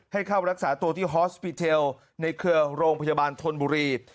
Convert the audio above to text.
ให้เข้ารักษาตัวที่ฮอสปีเทลในเครือโรงพยาบาลธนบุรี